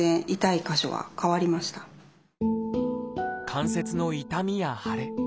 関節の痛みや腫れ。